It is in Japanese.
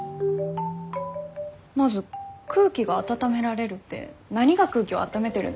まず空気が温められるって何が空気を温めてるんですか？